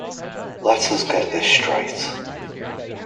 Let us get this straight.